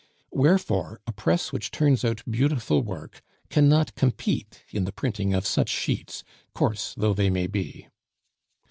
Wherefore, a press which turns out beautiful work cannot compete in the printing of such sheets, coarse though they may be.